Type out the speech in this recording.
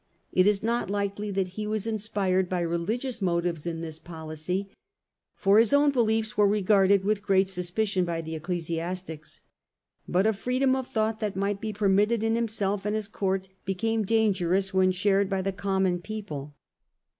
It is not likely that he was inspired by religious motives in this policy, for his own beliefs were regarded with great suspicion by the ecclesiastics. But a freedom of thought that might be permitted in himself and his Court became dangerous when shared by the common people.